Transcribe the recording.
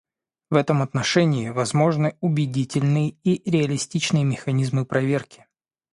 В этом отношении возможны убедительные и реалистичные механизмы проверки.